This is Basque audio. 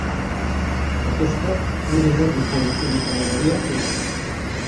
Orkestrak aire nordikoa izeneko melodia jo du.